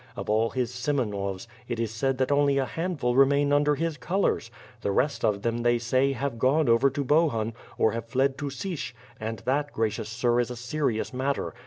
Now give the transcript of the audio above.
Of all his Semenovs, it is said that only a handful remain under his colors — the rest of them, they say, have gone over to Bohun, or have fled to Sich and that, gracious sir, is a serious matter.